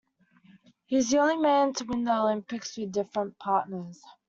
He is the only man to win the Olympics with different partners.